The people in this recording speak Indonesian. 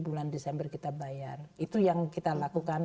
bulan desember kita bayar itu yang kita lakukan